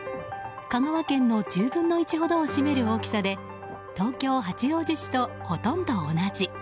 香川県の１０分の１ほどを占める大きさで東京・八王子市とほとんど同じ。